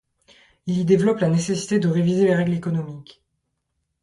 Il y développe la nécessité de réviser les règles économiques.